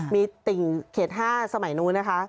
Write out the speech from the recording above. มีติ่งเขต๕สมัยนู้นนะคะ